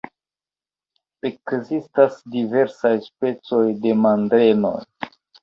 Ekzistas diversaj specoj de mandrenoj.